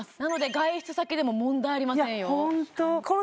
外出先でも問題ありませんよ